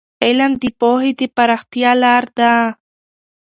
علم د پوهې د پراختیا لار ده.